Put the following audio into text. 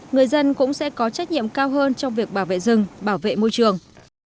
người dân cũng sẽ có trách nhiệm cao hơn trong việc bảo vệ rừng bảo vệ môi trường